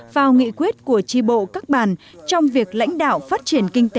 vào nghị quyết của tri bộ các bàn trong việc lãnh đạo phát triển kinh tế